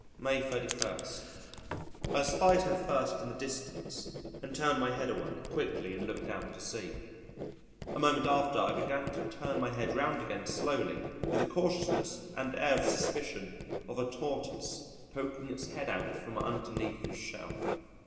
May 31. ... I espied her first in the distance and turned my head away quickly and looked out to sea. A moment after, I began to turn my head round again slowly with the cautiousness and air of suspicion of a Tortoise poking its head out from underneath his shell.